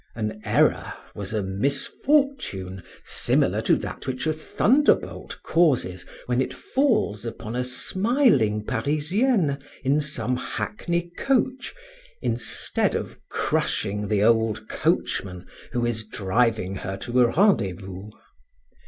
An error was a misfortune similar to that which a thunderbolt causes when it falls upon a smiling Parisienne in some hackney coach, instead of crushing the old coachman who is driving her to a rendezvous.